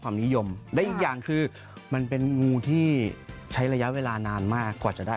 ความพิเศษของเขาเป็นยังไงคะพี่ต้นคะทำไมมันถึงพิเศษ